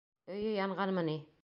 Өйө янғанмы ни!